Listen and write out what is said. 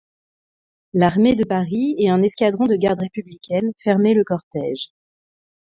L'armée de Paris et un escadron de garde républicaine fermaient le cortège.